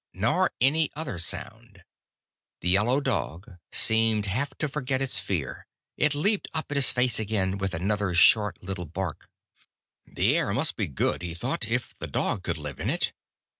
Nor any other sound. The yellow dog seemed half to forget its fear. It leaped up at his face again, with another short little bark. The air must be good, he thought, if the dog could live in it.